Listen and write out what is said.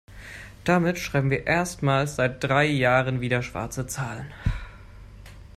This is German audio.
Damit schreiben wir erstmals seit drei Jahren wieder schwarze Zahlen.